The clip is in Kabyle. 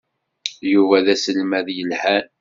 Yuba d aselmad yelhan.